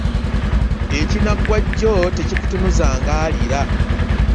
Ekiriggwa jjo tekikutunza ng'aliira .